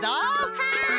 はい！